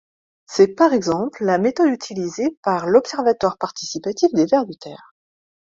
C'est par exemple la méthode utilisée par l'Observatoire Participatif des Vers de Terre.